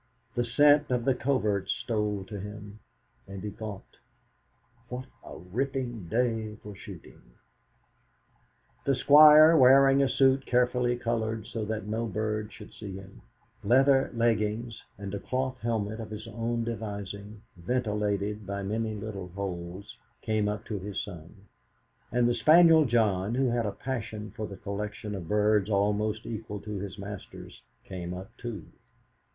The scent of the coverts stole to him, and he thought: '.hat a ripping day for shooting!' The Squire, wearing a suit carefully coloured so that no bird should see him, leather leggings, and a cloth helmet of his own devising, ventilated by many little holes, came up to his son; and the spaniel John, who had a passion for the collection of birds almost equal to his master's, came up too.